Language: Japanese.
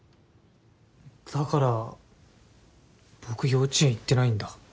だから僕幼稚園行ってないんだ。